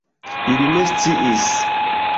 Ili ne sciis.